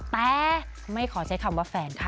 แต่ไม่ขอใช้คำว่าแฟนค่ะ